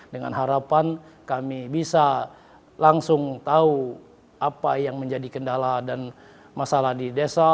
dengan harapan kami bisa langsung tahu apa yang menjadi kendala dan masalah di desa